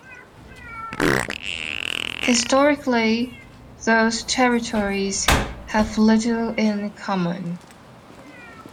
Historically, those territories have little in common.